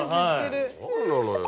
何なのよ。